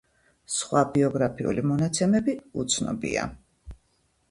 სხვა ბიოგრაფიული მონაცემები უცნობია.